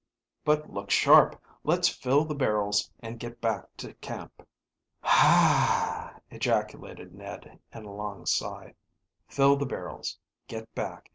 "But look sharp. Let's fill the barrels and get back to camp." "Hah!" ejaculated Ned in a long sigh. "Fill the barrels get back.